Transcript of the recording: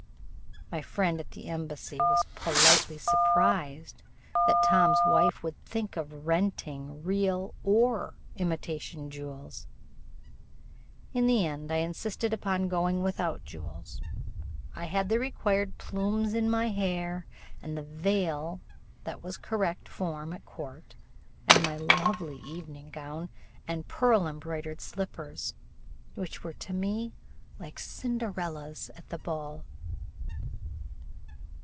My friend at the embassy was politely surprised that Tom's wife would think of renting real or imitation jewels. In the end I insisted upon going without jewels. I had the required plumes in my hair, and the veil that was correct form at court, and my lovely evening gown and pearl embroidered slippers, which were to me like Cinderella's at the ball.